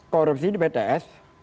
korupsi di bts